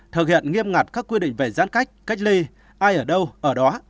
thực hiện nghiêm ngặt các quy định về giãn cách cách ly ai ở đâu ở đó